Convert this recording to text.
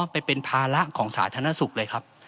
ไปเป็นภาระของสาธารณสุขเลยครับ